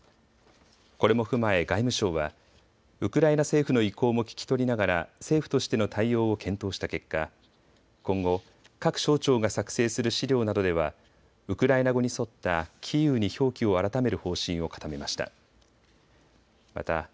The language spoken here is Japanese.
これも踏まえ外務省はウクライナ政府の意向も聴き取りながら政府としての対応を検討した結果、今後、各省庁が作成する資料などではウクライナ語に沿ったキーウに表記を改める方針を固めました。